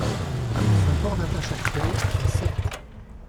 Son port d'attache actuel est Sete.